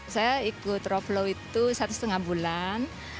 saya ikut rope flow itu satu setengah bulan